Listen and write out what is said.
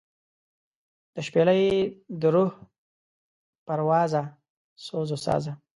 دشپیلۍ دروح پروازه سوزوسازه